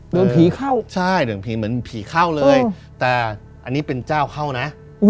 โดนผีเข้าใช่โดนผีเหมือนผีเข้าเลยแต่อันนี้เป็นเจ้าเข้านะ